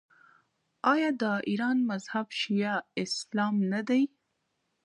آیا د ایران مذهب شیعه اسلام نه دی؟